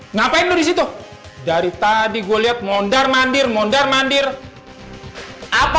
ngapain disitu dari tadi gue lihat mondar mandir mondar mandir apa